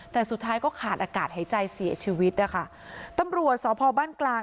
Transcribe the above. แต่สุดท้ายก็ขาดอากาศหายใจเสียชีวิตนะคะตำรวจสพบ้านกลาง